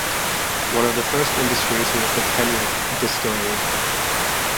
One of the first industries was the Penwick Distillery.